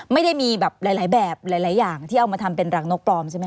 ไม่ได้มีแบบหลายแบบหลายอย่างที่เอามาทำเป็นรังนกปลอมใช่ไหมค